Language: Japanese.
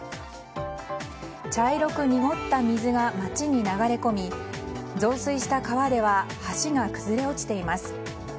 茶色く濁った水が街に流れ込み増水した川では橋が崩れ落ちています。